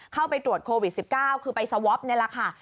เข้าไปตรวจโควิด๑๙คือไปสวอปนี่แหละค่ะ